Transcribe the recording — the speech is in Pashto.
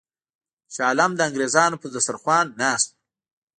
شاه عالم د انګرېزانو پر سترخوان ناست وو.